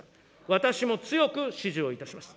私も強く支持をいたします。